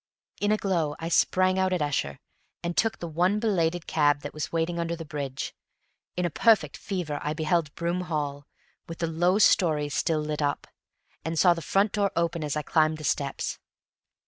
In a glow I sprang out at Esher, and took the one belated cab that was waiting under the bridge. In a perfect fever I beheld Broom Hall, with the lower story still lit up, and saw the front door open as I climbed the steps.